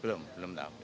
belum belum tahu